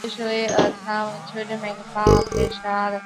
宜兰腺纹石娥为纹石蛾科腺纹石蛾属下的一个种。